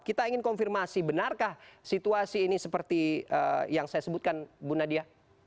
kita ingin konfirmasi benarkah situasi ini seperti yang saya sebutkan bu nadia